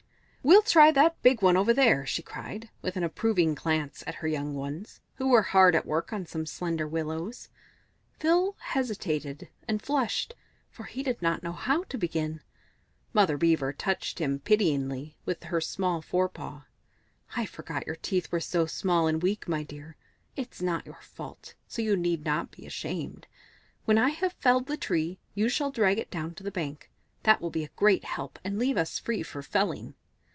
"We'll try that big one over there," she cried, with an approving glance at her young ones, who were hard at work on some slender willows. Phil hesitated and flushed, for he did not know how to begin. Mother Beaver touched him pityingly with her small forepaw. "I forgot your teeth were so small and weak, my dear. It's not your fault, so you need not be ashamed. When I have felled the tree, you shall drag it down to the bank. That will be a great help, and leave us free for felling."